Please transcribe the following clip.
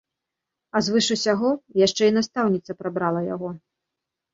А звыш усяго, яшчэ і настаўніца прабрала яго.